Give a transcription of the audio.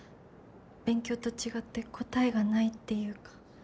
勉強と違って答えがないっていうか。